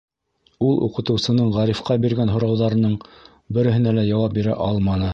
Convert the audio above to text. Ул уҡытыусының Ғарифҡа биргән һорауҙарының береһенә лә яуап бирә алманы.